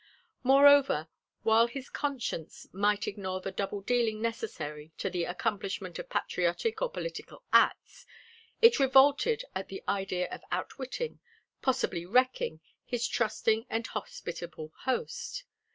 Moreover, while his conscience might ignore the double dealing necessary to the accomplishment of patriotic or political acts, it revolted at the idea of outwitting, possibly wrecking, his trusting and hospitable host.